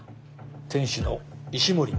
店主の石森正臣